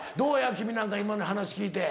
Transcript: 君なんか今の話聞いて。